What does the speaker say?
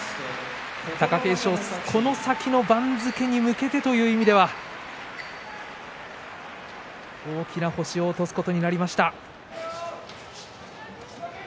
貴景勝、この先の番付に向けてという意味では大きな星を落としました。